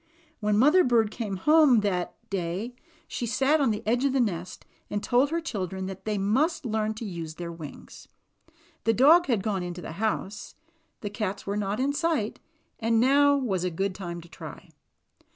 When Mother Bird came home that 72 THE ROBINS' HOME. day, she sat on the edge of the nest and told her children that they must learn to use their wings. The dog had gone into the house, the cats were not in sight, and now was a good time to try.